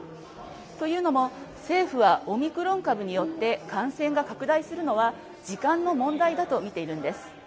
というのも政府は、オミクロン株によって感染が拡大するのは時間の問題だと見ているんです。